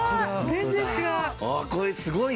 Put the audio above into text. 全然違う。